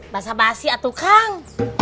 basah basih atuh kang